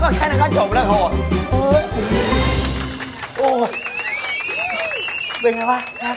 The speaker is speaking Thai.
เบ้ยแค่นั้นก็จบแล้ว